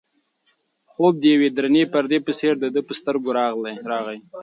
خوب د یوې درنې پردې په څېر د ده پر سترګو راغی.